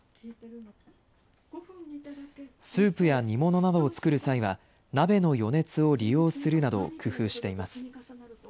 スープや煮物などを作る際は、鍋の余熱を利用するなど、工夫しています。